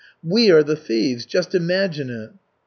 We are the thieves, just imagine it."